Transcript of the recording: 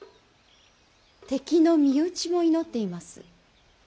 敵の身内も祈っています。